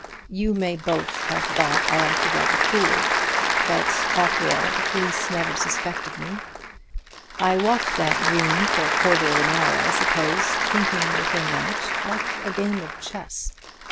You may both have thought I acted like a fool. But after all the police never suspected me. I walked that green for a quarter of an hour, I suppose, thinking the thing out like a game of chess.